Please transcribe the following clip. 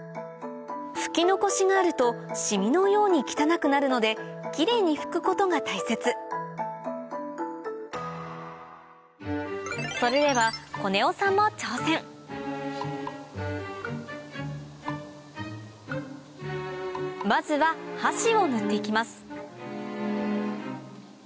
拭き残しがあると染みのように汚くなるのでキレイに拭くことが大切それではコネオさんも挑戦まずは箸を塗って行きます